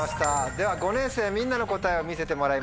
では５年生みんなの答えを見せてもらいましょう。